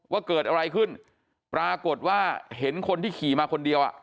ว่าเกิดอะไรขึ้นปรากฏว่าเห็นคนที่ขี่มาคนเดียวอ่ะ